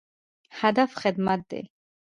هدف خدمت دی